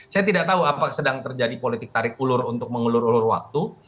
saya tidak tahu apakah sedang terjadi politik tarik ulur untuk mengulur ulur waktu